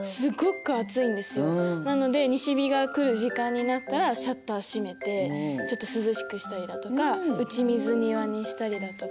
なので西日が来る時間になったらシャッター閉めてちょっと涼しくしたりだとか打ち水庭にしたりだとか。